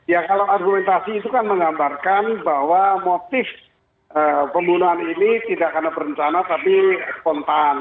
ya kalau argumentasi itu kan menggambarkan bahwa motif pembunuhan ini tidak karena berencana tapi spontan